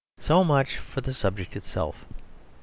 So much for the subject itself.